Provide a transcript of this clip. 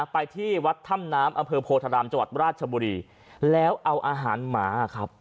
ไปที่วัดถ้ำน้ำอำเภอโพธารามจังหวัดราชบุรีแล้วเอาอาหารหมาครับ